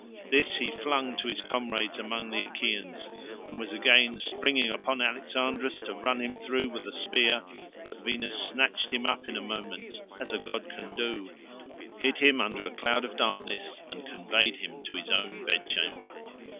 This he flung to his comrades among the Achaeans, and was again springing upon Alexandrus to run him through with a spear, but Venus snatched him up in a moment (as a god can do), hid him under a cloud of darkness, and conveyed him to his own bedchamber.